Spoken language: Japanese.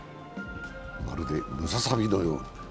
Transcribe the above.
まるでムササビのように。